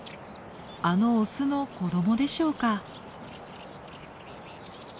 あのオスの子どもでしょうか。